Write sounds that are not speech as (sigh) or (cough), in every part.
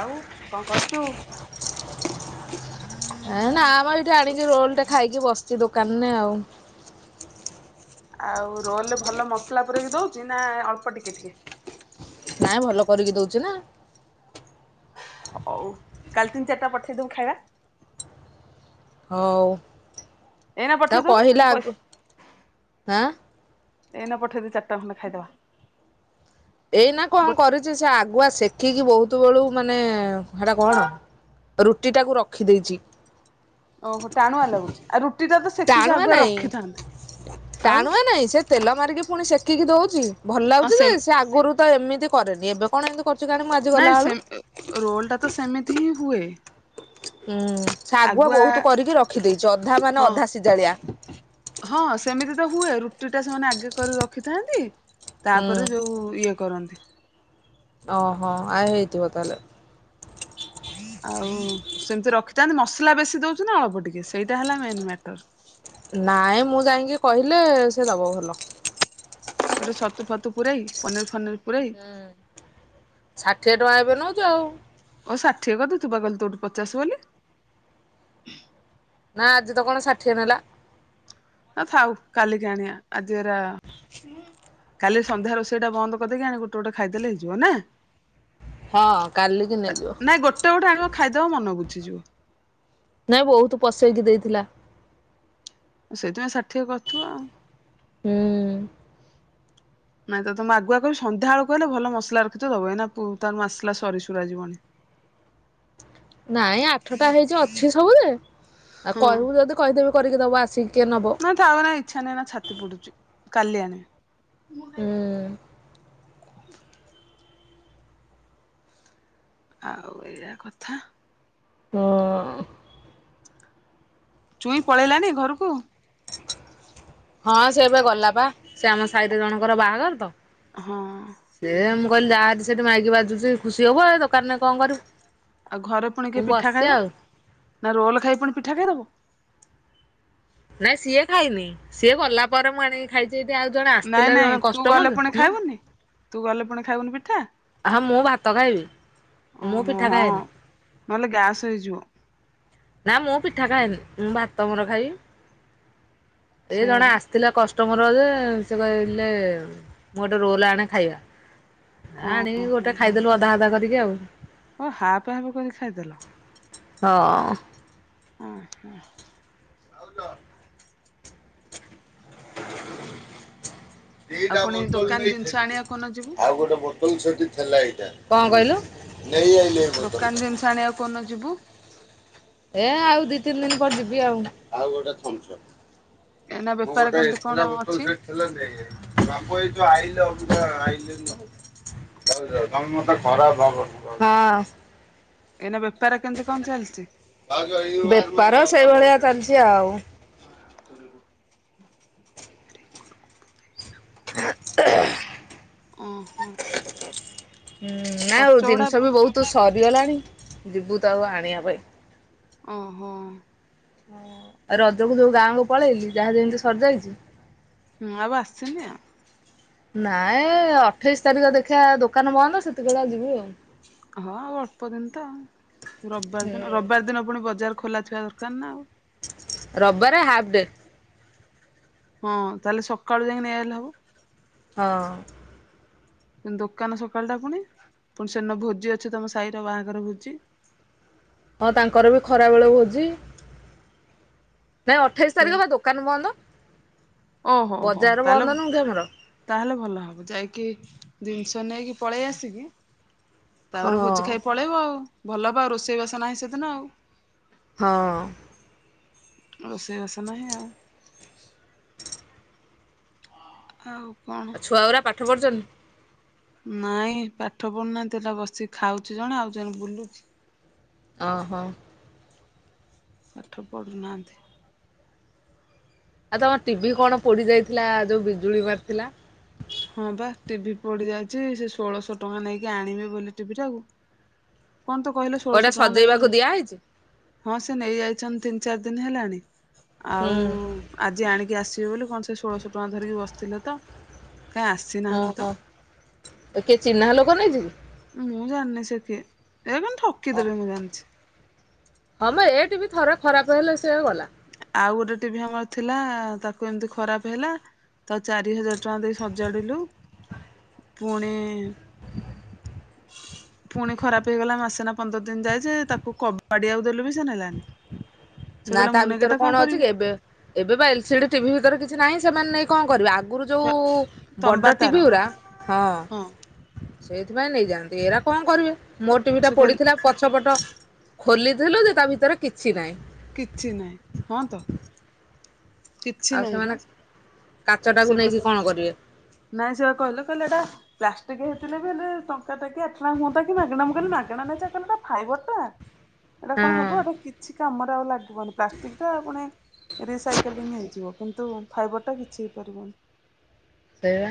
ଆଉ କଣ କରଚୁ? ଏଁ ନା ଆମ ଏଇଠି ଆଣିକି ରୋଲ ଟେ ଖାଇକି ବସିଛି ଦୋକାନରେ ଆଉ। ଆଉ ରୋଲେ ଭଲ ମସଲା ପୁରେଇକି ଦଉଛି ନାଁ ଅଳ୍ପ ଟିକେ ଟିକେ। ନାଇଁ ଭଲ କରିକି ଦଉଚି ନାଁ। ହଉ କାଲି ତିନି ଚାରିଟା ପଠେଇଦବୁ ଖାଇବା। ହଉ ଏଇନା ତା ପଠେଇ ଦଉନୁ ମୁଁ କହିଲା ପଇସା ଆଗ ଆଁ ଏଇନା ପଠେଇଦେ ଚାରଟା ଖଣ୍ଡେ ଖାଇଦବା। ଏଇନା କଣ ଗୋ କରିଛି ସେ ଆଗୁଆ ଶେଖିକି ବହୁତ ବେଳୁ ମାନେ ହେଟା କଣ ରୁଟି ଟାକୁ ରଖି ଦେଇଚି। ଓହୋ ଟାଣୁଆ ଲାଗୁଚି ଆଉ ରୁଟିଟା ତ ସେଖିକି ଟାଣୁଆ ଆଗୁଆ ନାଇଁ ରଖିଥାନ୍ତେ ଆଉ। ଟାଣୁଆ ନାଇଁ ସେ ତେଲ ମାରିକି ପୁଣି ସେକିକି ଦଉଚି ଭଲ ଲାଗୁଚି ଯେ ସେ ଆଗରୁ ତ ଏମିତି କରେନି ଏବେ କଣ ଏମିତି ଅଚୁ କିଆଣୀ ମୁଁ ଆଜ୍ ନାଇଁ ସେ ରୋଲ୍ ଟା ତ ସେମିତି ହିଁ ହୁଏ। ହୁଁ ସାଗୁଆ ଆଗୁଆ ବହୁତ କରିକି ରଖିଦେଇଚି ଅଧା ମାନେ ହଁ ଅଧା ସିଜାଳିଆ। ହଁ ସେମିତି ତ ହୁଏ ରୁଟି ଟା ସେମାନେ ଆଗେ କରି ରଖିଥାନ୍ତି। ହୁଁ ତାପରେ ଯୋଉ ଇଏ କରନ୍ତି। ଓହୋ ଆ ହେଇଥିବ ତାହେଲେ। ଆଉ ସେମିତି ରଖିଥାନ୍ତି ମସଲା ବେଶୀ ଦେଉଛି ନା ଅଳ୍ପ ଟିକେ ସେଇଟା ହେଲା ମେନ୍ ମ୍ୟାଟର୍। ନାଇଁ ମୁଁ ଯାଇକି କହିଲେ ସେ ଦେବ ଭଲ। ଏଟା ସତୁ ଫତୁ ପୁରାଇ ପନରି ଫନରି ପୁରାଇ। ହୁଁ। ଷାଠିଏ ଟଙ୍କା ଏବେ ନେଉଚୁ ଆଉ। ଓ ଷାଠିଏ କଦୁଥିବା ବା କଲେ ତୋଁଠୁ ପଚଶ ବୋଲି। ନାଁ ଆଜି ତ କଣ ଷାଠିଏ ନେଲା। ହଁ ଥାଉ କାଲିକା ଆଣିବା ଆଜି ଏରା। କାଲି ସନ୍ଧ୍ୟା ରୋଷେଇ ଟା ବନ୍ଦ କରିଦେଇକି ଆଣି ଗୋଟେ ଗୋଟେ ଖାଇଦେଲେ ହେଇଯିବ ନାଁ। ହଁ କାଲିକି ନେଇଯିବ। ନାଇଁ ଗୋଟେ ଗୋଟେ ଆଗଣିବ ଖାଇଦବ ମନ ବୁଝିଯିବ। ନାଇଁ ବହୁତ ପସେଇକି ଦେଇଥିଲା। ସେଇଥିପାଇଁ ଷାଠିଏ କରିଥିବ ଆଉ। ହୁଁ। ନାଇଁ ତମେ ଆଗୁଆ କହି ସନ୍ଧ୍ୟାବେଳକୁ କହଲେ ଭଲ ମସଲା ରଖି ତ ଦବ ଏଇ ନା ତାର ମାସଲା ସରି ସୁରା ଯିବନି। ନାଇଁ ଆଠଟା ହେଇଛି ଅଛି ସବୁରେ ଆଉ ହଁ କହିବୁ ଯଦି କହିଦେବି କରିକି ଦବ ଆସି କିଏ ନେବ। ନା ଥାଉ ଏନା ଇଚ୍ଛା ନାହିଁ ଛାତି ପଡୁଛି କାଲି ଆଣେବା। ହୁଁ ଆଉ ଏଇଟା କଥା। ହଁ। ଚୁଇଁ ପଳେଇଲାନି ଘରକୁ? ହଁ ସେ ଏବେ ଗଲା ବା ସେ ଆମ ସାଇର ଜଣଙ୍କର ବାହାଘର ତ ହଁ। ସେ ମୁଁ କହିଲି ଯାଆ ସେଠି ମାଇକି ବାଜୁଛି ଖୁସି ହବୁ ଏଇ ଦୋକାନରେ କଣ କରିବୁ? ଆଉ ଘରେ ପୁଣି କିଏ ମୁଁ ପିଠା ବସିଛି ଖାଇବ ଆଉ। ନା ରୋଲ୍ ଖାଇ ପୁଣି ପିଠା ଖାଇଦେବ? ନାଇଁ ସିଏ ଖାଇନି ସିଏ ଗଲା ପରେ ମୁଁ ଆଣି ଖାଇଛି ଏଠି ଆଉ ଜଣେ ନାଇଁ ଆସିଥିଲେ ନାଇଁ ଜଣେ ତୁ ଗଲେ କଷ୍ଟମରତ ପୁଣି ହୁଁ। ଖାଇବୁନି ତୁ ଗଲେ ପୁଣି ଖାଇବୁନି ପିଠା ହଁ ମୁଁ ଭାତ ଖାଇବି ମୁଁ ଓହୋ ପିଠା ହଁ ଖାଏନି। ନହେଲେ ଗ୍ୟାସ୍ ହେଇଯିବ। ନା ମୁଁ ପିଠା ଖାଏନି ମୁଁ ଭାତ ମୋର ଖାଇବି ଏ ସେଇଆ ଜଣେ ବା ଆ ଥିଲା କଷ୍ଟମର ଯେ ସେ କହିଲେ ମୁଁ ଗୋଟେ ରୋଲ୍ ଆଣେ ଖାଇବା। ଆଣିକି ଓହୋ ଗୋଟାଏ ଖାଇଦେଲୁ ଅଧା ଅଧା କରିକି ଆଉ। କଁ ହାପ୍ ହାପ୍ କରି ଖାଇଦେଲ? ହଁ। ହଁ। (inaudible) ଭାଉଜ ଆଉ ଦିଟା ପୁଣି ବୋତଲ୍ ଦୋକାନ ଜିନିଷ ଆଣିବାକୁ ନେଇଥିଲି କୋଉଦିନ ଯିବୁ ଆଉ ଗୋଟେ ବୋ କଁ କହିଲ? (inaudible) ଆଣିଆକୁ କୋରଦିନ ଯିବୁ? ଏ ଆଉ ଦି ତିନି ଦିନି ପରେ ଯିବି ଆଉ। ଏଇନା ମୁଁ ବେପାର ଗୋଟେ କେମିତି ଏକ୍ସ କଣ ଟ୍ରା ବୋତଲ୍ ଅଛି ସେ (inaudible) ହେଲା ନାଇ ବାବୁ ଏଇ ଯଉ ଆଇିଲ ଅବଧା ଆଇିଲବ (inaudible) ତ ଖରାପ ହବ ଏଇନେ ବେପାର କେମ୍ ତି କଣ ଚାଲିଛି? ବେପାର ସେଇଭଳିଆ ଚାଲିଛି ଆଉ। ହଁ ହାତୁରୁ। (unintelligible) ଅଁ ହଁ। ହୁଁ ନାଇଁ ଆଉ ଗୁଡା ଜିନିଷ ବି ବହୁତୁ ସରିଗଲାଣି ଯିବୁ ତ ଆଉ ଆଣିଆ ପାଇଁ। ଓହୋ। ହଁ ଆଉ ରଜ କୁ ଯୋଉ ଗାଁକୁ ପଳେଇଲି ଯାହା ଯେମିତି ସରିଯାଇଚି ମୁଁ ଆଉ ଆସିନି ଆଉ। ନାଇଁ ଅଠେଇଶି ତାରିଖ ଦେଖିିଆ ଦୋକାନ ବନ୍ଦ ସେତିକିବଳେ ଯିବି ଆଉ। ହଁ ଆଉ ଅଳ୍ପ ଦିନି ତ। ରବିବାର ହୁଁ ଦିନ ରବିବାର ଦିନ ପୁଣି ବଜାର ଖୋଲା ଥିବା ଦରକାର ନା ଆଉ। ରବିବାରେ ହାଫ୍ ଡେ। ହଁ ତାହଲେ ସକାଳୁ ଯାଇଁ ନେଇ ଆଇଲେ ହବ? ହଁ। ଦୋକାନ ସକାଳଟା ପୁଣି ପୁଣି ସେଦିନ ଭୋଜି ଅଛି ତମ ସାଇର ବାହାଘର ଭୋଜି। ହଁ ତାଙ୍କର ବି ଖରା ବେଳ ଭୋଜି। ନାଇଁ ଅଠେଇଶି ସେ ତାରିଖ ବା ଦୋକାନ ବନ୍ଦ ଓହୋ ହୋ ବଜାର ତାହେଲେ ବନ୍ଦ ନୁହଁ କି ଆମର। ତାହେଲେ ଭଲ ହବ ଯାଇକି ଜିନିଷ ନେଇକି ପଳେଇ ଆସିକି ହଁ ତାପରେ ଭୋଜି ଖାଇ ପଳେଇବ ଆଉ ଭଲ ହବ ଆଉ ରୋଷେଇବାସ ନାହିଁ ସେଦିନ ଆଉ। ହଁ। ରୋଷେଇ ବାସ ନାହିଁ ଆଉ। ହଉ। ଆଉ ଛୁଆଗୁରା ପାଠ ପଢୁଛନ୍ ନାଇଁ ପାଠ ପଢୁନାହାଁତି ତ ବସି ଖାଉଛି ଜଣେ ଆଉ ଜଣେ ବୁଲୁଚି। ଓ ହୋ। ପାଠ ପଢୁନାହାନ୍ତି। ଆଉ ତମ ଟିଭି କଣ ପୋଡି ଯାଇଥିଲା ଯୋଉ ବିଜୁଳି ମାରିଥିଲା ହଁ ବା ଟିଭି ପୋଡି ଯାଇଛି ସେ ଷୋଳଶହ ଟଙ୍କା ନେଇକି ଆଣିବେ ବୋଲି ଟିଭି ଟାକୁ କଣ ତୁ କହିଲୁ ଓ ଏଟା ଷୋହଳଶହ ଟଙ୍କା ନେଲେ ସଜେଇବାକୁ ହେ ଦିଆହେଇଛି? ହଁ ସେ ନେଇ ଯାଇଚନ୍ତି ତିନି ଚାରି ଦିନ ହେଲାଣି ହୁଁ ଆଉ ଆଜି ଆଣିକି ଆସିବେ ବୋଲି କଁ ସେ ଷୋଳଶହ ଟଙ୍କା ଧରିକି ବସିଥିଲେ ତ। କାଁ ଆସ ଓ ହୋ କିଏ ଚିହ୍ନା ଲୋକ ନେଇଯି କି? ମୁଁ ଜାଣିନି ସେ କିଏ, ଏ କ ଓ ଠକିଦବେ ମୁଁ ଜାଞ୍ଚି। ହଁ ମ ଏ ଟିଭି ଥରେ ଖରାପ ହେଲେ ସେ ଗଲା। ଆଉ ଗୋଟେ ଟିଭି ଆମର ଥିଲା ତାକୁ ଏମିତି ଖରାପ ହେଲା ତା ଚାରି ହଜାର ଟଙ୍କା ଦେଇ ସଜାଡିଲୁ ପୁଣି ଫୁଣି ଖରାପ ହେଇଗଲା ମାସେ ନା ପନ୍ଦର ଦିନ ଯାଏ ଯେ ତାକୁ କବାଡି ଆଉ ଦେଲୁ ବି ସେ ନେଲାନି। (unintelligible) ନା ତା ଭିତରେ ନେଗେଟା କଣ ଅଛି କରିବି କି ଏବେ- ଏବେ ବା ଏଲସିଡି ଟିଭି ଭିତରେ କିଛି ନାହିଁ ସେମାନେ ନେଇ କଣ କରି ଆଗରୁ ଯୋଉ ତମ୍ବା ବଡ ତାର ଟିଭି ଗୁରା ହଁ। ସେଇଥିପାଇଁ ନେଇଯାଆନ୍ତି ଏରା କଣ କରିବେ ମୋର ଟିଭି ସେ ଟା ପୋ କହିଲେ ଡିଥିଲା ପଛ ପଟ ଖୋଲିଥିଲୁ ଯେ ତା ଭିତରେ କିଛି ନାହିଁ। କିଛି ନାହିଁ ହଁ ତ। (inaudible) କିଛି ଆଉ ନାହିଁ ସେମାନେ ପା। କାଚ ଟାକୁ ନେଇକି କଣ କରିବେ? ନାଇଁ ସେ ପା କହିଲେ କହିଲେ ଏଟା ପ୍ଲାଷ୍ଟିକ ହେଇଥିଲେ ବି ହେଲେ ଟଙ୍କାକ କି ଆଠନା ହୁଅନ୍ତା କି ମାଗଣା ମୁଁ କିଲି ମାଗଣା ନ କଲୋ ଫାଇବର ଟା ଆଛା। ଏଇଟା କଣ ହଁ ହବ ଏଟା କିଛି କାମରେ ଆଉ ଲାଗିବନି ପ୍ଲାଷ୍ଟିକ ଟା ପୁଣି ରିସାଇକେଲିଂ ହେଇଯିବ। କିନ୍ତୁ ଫାଇବରଟା କିଛି ହେଇପାରିବନି। ସେଇ ବା।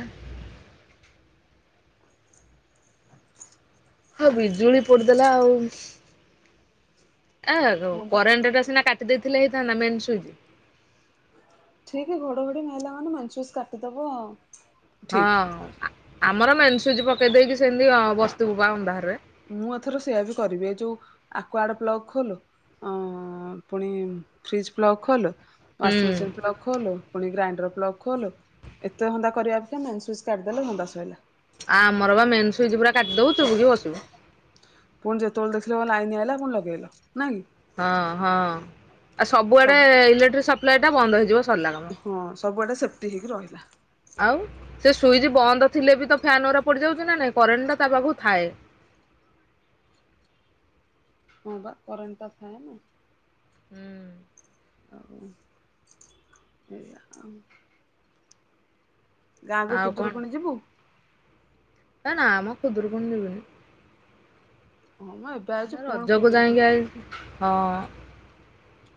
ହଁ ବିଜୁଳି ପୋଡିଦେଲା ଆଉ ଏ ହଁ ବା କରେଣ୍ଟ୍ ଟା ସିନା କାଟି କାଟି ଦେଇଥିଲେ ହେଇଥାନ୍ତା ମେନ୍ ସ୍ୱିଚ୍। ଠିକି ଘଡଘଡି ମାଇଲା ମାନେ ମେନ୍ ସ୍ୱିଚ କାଟିଦବ ଆଉ। ହଁ ଆ-ଆମର ମେନ୍ ସୁଇଚ ପକେଇ ଦେଇେଇକି ସେମିତି ବସ୍ତିବୁ ପା ଅନ୍ଧାରରେ। ମୁଁ ଏଥର ସେୟଆ ବି କରିବି ଏ ଯୋଉ ଆକୁଆଡେ ପ୍ଲକ ଖୋଲ ଅ ପୁଣି ଫ୍ରିଜ ପ୍ଲକ୍ ଖୋଲ୍ ୱାଂ ହୁଁ ସିଂମେସିନ୍ ପ୍ଲକ୍ ଖୋଲ ପୁଣି ଗ୍ରାଇଣ୍ଡର ପ୍ଲକ ଖୋଲ ଏତେ ଧନ୍ଦା କରିବାର ଥିବ ମେନ୍ ଶ୍ୱିଚ୍ କାଢ଼ିଦେଲା ଗଲା ସଇଲା। ଆ ଆମର ବା ମେନ୍ ସୁଇଚ୍ ପୁରା କାଟିଦବୁ ଚୁବୁ କି ବସିବୁ। ଫୁଣି ଯେତେବେଳେ ଦେଖିଲେ ଆଇନ ଆଇଲା ପୁଣି ଲଗେଇଲ ନାଇଁ କି। ହଁ ହଁ ଆ ସବୁଆଡେ ସବୁ ଇଲେକ୍ଟ୍ରିକ ସପ୍ଲାଏ ଟା ବନ୍ଦ ହେଇଯିବ ସରିଲା କାମ ହଁ ସବୁଆଡେ ସେଫ୍ଟି ହେଇକି ରହିଲା। ଆଉ ସେ ସୁଇଚ ବନ୍ଦ ଥିଲେ ବି ତ ଫ୍ୟାନ ଗରା ପଡିଯାଉଛି ନା ନାଇଁ କରେଣ୍ଟ ଟା ତା ପାଖକୁ ଥାଏ। ହଁ ବା କରେଣ୍ଟ ଟା ଥାଏ ନା। ହୁଁ। ଆଉ ଏଇୟା ଆଉ। ଗାଁକୁୁ ଆଉ ଖୁଦରୁକୁଣୀ ଯିବୁ? ଏ ନା ମ ଖୁଦୁରୁକୁଣୀ ଯିବିନି। ହଁ ମ ଏବ୍ ନା ରଜକୁ ଯାଇକି ଆଇ ହଁ।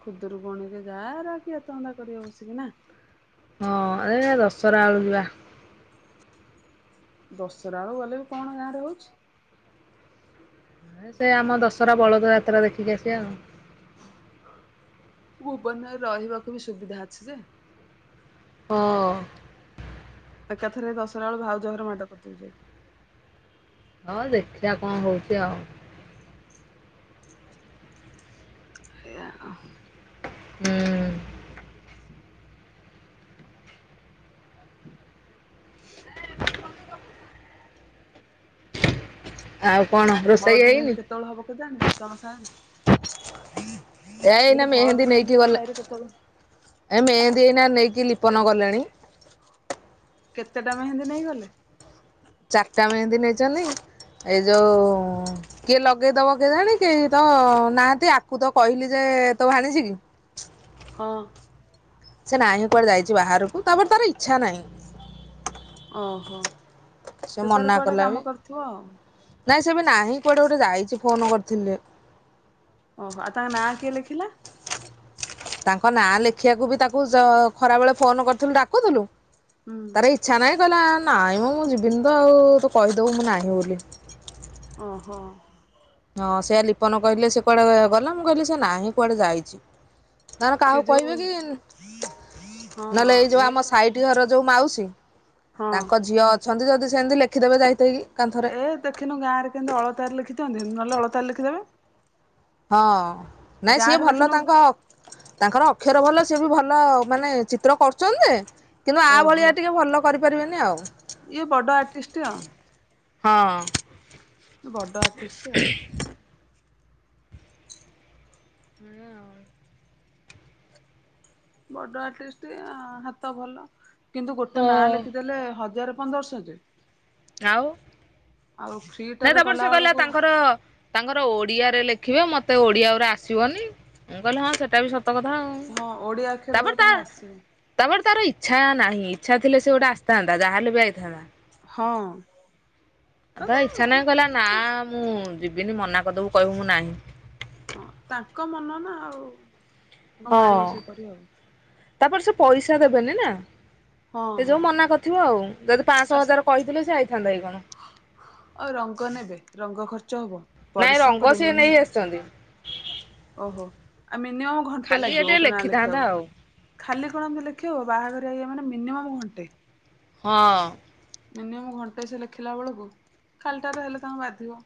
ଖୁଦୁରୁକୁଣୀ ରେ ଯା ଏରା କିଏ ଏତେ ଧନ୍ଦା କରିବ ବସିକି ନା? ହଁ ଏ ଦଶହରା ବେଳୁକୁ ଯିବା। ଦଶହରା ଆଳଉ ଗଲେ ବି କଣ ଗାଁରେ ହଉଛି? ସେ ଆମ ଦଶହରା ବଳଦ ଯାତ୍ରା ଦେଖିକି ଆସିବା ଆଉ। ଭୁବନରେ ରହିବାକୁ ବି ସୁବିଧା ଅଛି ଯେ। ହଁ। ଏକାଥରେ ଦଶହରା ବେଳୁ ଭାଉଜହର (unintelligible) ହଁ ଦେଖିବା କଣ ହଉଛି ଆଉ? ସେଇଆଉ ହୁଁ ଆଉ କଣ ରୋଷେଇ ହଳଦୀ ହେଇନି? ମେହେନ୍ଦି କେତେବେଳେ ହବ କେଜାଣି ତମ ସାହିରେ? ଏ ମୁଁ ଏଇନା କହିଲି ହଳଦୀ ମେହନ୍ଦୀ ମେହେନ୍ଦି ନେଇକି ତମ ଗଲ ସାହିରେ କେତେବେଳେ ଏ ମେହେନ୍ଦୀ ହେଇନା ନେଇକି ଲିପନ ଗଲେଣି। କେତେ ଟା ମେହେନ୍ଦୀ ନେଇ ଗଲେ? ଚାରିଟା ମେହେନ୍ଦୀ ନେଇଛନ୍ତି ଏଇ ଯଉଁ କିଏ ଲଗେଇଦବ କିଏ ଜାଣି କେହି ତ ନାହାନ୍ତି ଆକୁ ତ କହିଲି ଯେ ତୋ ଭାଣିଛି କି? ହଁ। ସେ ନାହିଁ କୁଆଡେ ଯାଇଛି ବାହାରକୁ ତାପରେ ତାର ଇଚ୍ଛା ନାହିଁ। ଓହୋ ସେ ତାର ମନା କୁଆଡେ କଲା ବି କାମ କରୁଥିବ ଆଉ। ନାଇଁ ସେବେ ନାହିଁ କୁଆଡ଼େ ଗୋଟେ ଯାଇଛି ଫୋନ କରିଥିଲେ। ଓହୋ ଆଉ ତାଙ୍କ ନାଁ କିଏ ଲେଖିଲା? ତାଙ୍କ ନାଁ ଲେଖିବାକୁ ବି ତାକୁ ଜ ଖରାବେଳେ ଫୋନ କରିଥିଲୁ ଡାକୁଥିଲୁ ହୁଁ ତାର ଇ ଇଚ୍ଛା ନାହିଁ କହିଲା ନାଇଁ ମୁଁ ଯିବିନି ତ ଆଉ ତୁ କହିଦେବୁ ମୁଁ ନାହିଁ ବୋଲି। ଓ ହଁ। ହଁ ସେଆ ଲିପନ କହିଲେ ସେ କୁଆଡେ ଗଲା ମୁଁ କହିଲି ସେ ନାହିଁ କୁଆଡେ ଯାଇଛି। ଧର ସେ କାହାକୁ ଯୋଉ କହିବେ କି ହଁ ନହେଲେ ଏଇ ଯୋଉ ଇଏ ଆମ କରି ସାଇଟ ଘର ଯୋଉ ମାଉସୀ ହଁ ତାଙ୍କ ଝିଅ ଅ ସଂଜୁ ଯଦି ସେମତି ଲେଖିଦେବେ ଯାଇତାଇକି। ଏ ଦେଖିନୁ ଗାଁ ରେ କେମିତି ଅଳତାରେ ଲେଖି ଦିଅନ୍ତି ନହେଲେ ଅଳତାର ଲେଖିଦେବେ। ହଁ ନାଇଁ ସିଏ ଗାଁରେ ଭଲ ଦେଖିନୁ ତାଙ୍କ ତାଙ୍କର ଅକ୍ଷର ଭଲ ସିଏ ବି ଭଲ ମାନେ ଚିତ୍ର କରୁଛନ୍ତି ଯେ। କିନ୍ତୁ ଆ ଓହୋ। ଭଳିଆ ଟିକେ ଭଲ କରିପାରିବେନି ଆଉ। ଇଏ ବଡ଼ ଆର୍ଟିଷ୍ଟ ଆଉ ହଁ। ବଡ ଆର୍ଟିଷ୍ଟ ଆଉ। (unintelligible) ବଡ ଆର୍ଟିଷ୍ଟ ହାତ ଭଲ କିନ୍ତୁ ଗୋଟେ ହଁ ନାଁ ଲେଖିଦେଲେ ହଜାର ପନ୍ଦରଶହ ଯେ। ଆଉ ଆଉ ନା ଫ୍ରିଟାରେ ତାପରେ କଲା ସେ କହିଲା ବେଳକୁ ତାଙ୍କର ତାଙ୍କର ଓଡିଆରେ ଲେଖିବେ ମତେ ଓଡିଆ ଉରା ଆସିବନି ମୁଁ କହିଲି ହଁ ସେଇଟା ବି ସତ କଥା ଆଉ। ହଁ ଓଡିଆ ଅକ୍ଷର ଉରା ତାପରେ ତା ତାଙ୍କୁ ଆସେନି। ତାପରେ ତାର ଇଚ୍ଛା ନାହିଁ ଇଚ୍ଛା ଥିଲେ ସେ ଗୋଟେ ଆସିଥାନ୍ତା ଯାହାହଲେ ବି ଆଇଥାନ୍ତା। ହଁ। ଆଉ ତା ଇଚ୍ଛା ନାହିଁ କହିଲା ନା ହଁ ମୁଁ ଯିବିନି ମନା କରିଦବୁ କହିବୁ ମୁଁ ନାହିଁ। ହଁ ତାଙ୍କ ମନ ନା ଆଉ। ତାଙ୍କ ହଁ ମାଡ଼ି ବସିକି କରିବେ ଆଉ। ତାପରେ ସେ ପଇସା ଦେବେନି ନା। ହଁ, ହଁ। ଥିବ ଆଉ ଯଦି ପାଆଁଶହ ଆଚ୍ଛା ହଜାର କହିଥିଲେ ସେ ଆଇଥାନ୍ତା କି କଣ। ଆଉ ରଙ୍ଗ ନେବେ ରଙ୍ଗ ଖର୍ଚ୍ଚ ହବ। ନାଇଁ ପରିଶ୍ରମ ରଙ୍ଗ କରିବ ସିଏ ନେଇ ମିନି ଆସିଛନ୍ତି ଓହୋ ଆ ମିନିମମ୍ ଘଣ୍ଟେ ଖାଲି ଲାଗିବ ଏଠି ଗୋଟେ ନାଁ ଲେଖିଥାନ୍ତା ଲେଖିବାକୁ ଆଉ। ଖାଲି କଣ ଏମତି ଲେଖିହବ ବାହାଘର ଇଏ ମାନେ ମିନିମମ୍ ଘଣ୍ଟେ। ହଁ। ମିନିମମ୍ ଘଣ୍ଟେ ସେ ଲେଖିଲା ବେଳକୁ ଖାଲିଟାରେ ହେଲେ ତାଙ୍କୁ ବାଧିବ।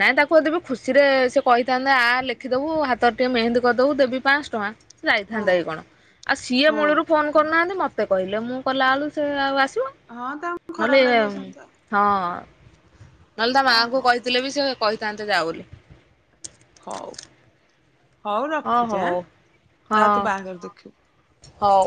ନାଇଁ ତାକୁ ଅଧିକ ଖୁସିରେ ସେ କହିଥାନ୍ତା ଆ ଲେଖିଦବୁ ହାତରେ ଟିକେ ମେହେନ୍ଦୀ କରିଦବୁ ଦେବି ପାଆଁଶହ ଟଙ୍କା। ହଁ ଯାଇଥାନ୍ତା କି କଣ ଆଉ ସିଏ ହଁ ମୂଳରୁ ଫୋନ କରୁନାହାନ୍ତି ମତେ ମତେ କହିଲେ ମୁଁ କଲା ବେଳୁ ସେ ଆଉ ଆସିବ। ହଁ ତାଙ୍କୁ ଖରା ନହେଲେ ବେଳେ ଯିବ ସେମିତି ଆଉ। ହଁ ନହେଲେ ତା ଓ ମାଙ୍କୁ ହଉ କହିଥିଲେ ବି ସେ କହିଥାନ୍ତେ ଯାଆ ବୋଲି। ହଉ ହଉ ହଁ ରଖୁଛି ଆଁ ହଉ ହଁ ଯା ତୁ ବାହାଘର ଦେଖିବୁ। ହଉ।